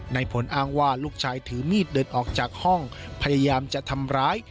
ในผลอ้างว่าลูกชายถือมีดเดินออกจากห้องพยายามจะทำร้าย